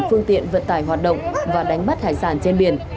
phương tiện vật tài hoạt động và đánh bắt hải sản trên biển